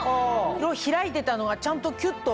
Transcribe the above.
開いてたのがちゃんときゅっと。